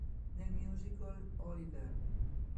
Nel musical "Oliver!